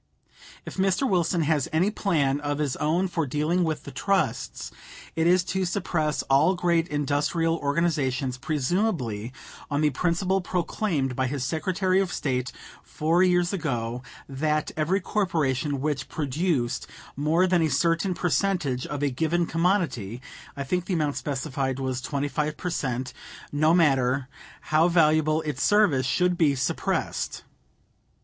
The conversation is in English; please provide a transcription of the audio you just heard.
If Mr. Wilson has any plan of his own for dealing with the trusts, it is to suppress all great industrial organizations presumably on the principle proclaimed by his Secretary of State four years ago, that every corporation which produced more than a certain percentage of a given commodity I think the amount specified was twenty five per cent no matter how valuable its service, should be suppressed.